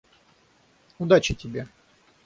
Удачи тебе!